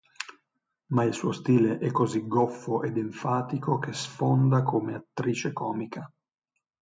Ma il suo stile è così goffo ed enfatico che sfonda come attrice comica.